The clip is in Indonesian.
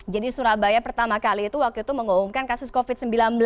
jadi surabaya pertama kali itu waktu itu mengumumkan kasus covid sembilan belas